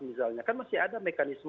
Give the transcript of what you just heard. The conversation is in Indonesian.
misalnya kan masih ada mekanisme